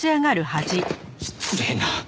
失礼な。